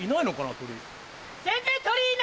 鳥！